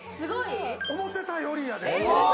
思てたよりやで。